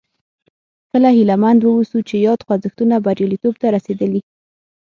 کله هیله مند واوسو چې یاد خوځښتونه بریالیتوب ته رسېدلي.